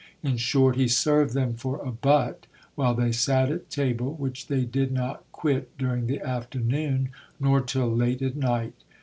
In short, he served them for a butt while they sat at table, which they did not quit during the afternoon, nor till late at night.